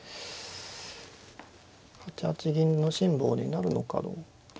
８八銀の辛抱になるのかどうか。